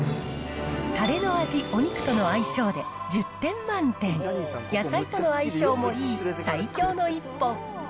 たれの味、お肉との相性で１０点満点、野菜との相性もいい、最強の一本。